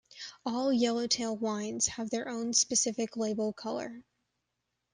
All Yellow Tail wines have their own specific label color.